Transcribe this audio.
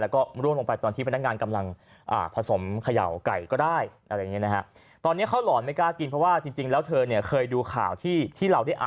แล้วก็ร่วงลงไปตอนที่พนักงานกำลังผสมเขย่าไก่ก็ได้อะไรอย่างนี้นะฮะ